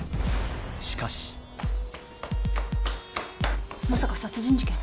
［しかし］まさか殺人事件？